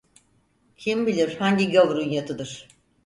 Kim bilir hangi gavurun yatıdır?